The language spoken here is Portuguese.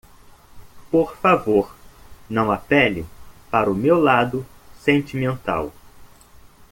Por favor, não apele para o meu lado sentimental.